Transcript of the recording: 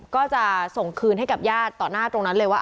ก็จะส่งคืนให้กับญาติต่อหน้าตรงนั้นเลยว่า